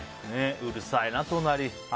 うるさいな、隣。